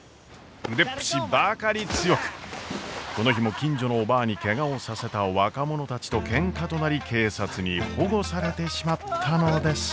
腕っぷしばかり強くこの日も近所のおばぁにケガをさせた若者たちとケンカとなり警察に保護されてしまったのです。